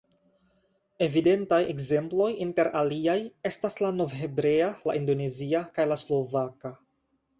Evidentaj ekzemploj, inter aliaj, estas la novhebrea, la indonezia kaj la slovaka.